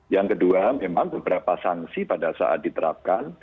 yang kedua memang beberapa sanksi pada saat diterapkan